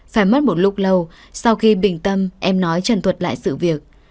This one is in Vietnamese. phải mất một lúc lâu sau khi bình tâm em nói trần thuật lại sự việc